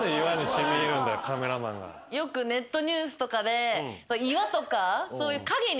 よくネットニュースとかで岩とかそういう。